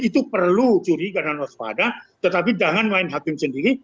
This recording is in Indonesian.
itu perlu curiga dan waspada tetapi jangan main hakim sendiri